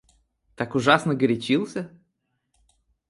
Так ужасно горячился?